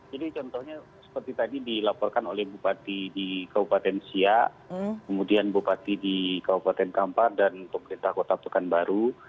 jadi contohnya seperti tadi dilaporkan oleh bupati di kabupaten siak kemudian bupati di kabupaten kampar dan pemerintah kota tukan baru